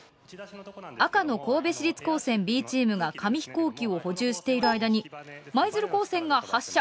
赤の神戸市立Ｂチームが紙ヒコーキを補充している間に舞鶴高専が発射。